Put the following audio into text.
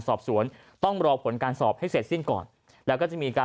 สอบสวนต้องรอผลการสอบให้เสร็จสิ้นก่อนแล้วก็จะมีการ